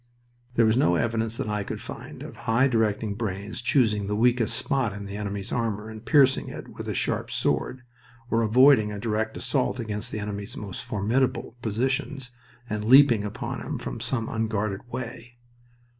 There was no evidence that I could find of high directing brains choosing the weakest spot in the enemy's armor and piercing it with a sharp sword, or avoiding a direct assault against the enemy's most formidable positions and leaping upon him from some unguarded way.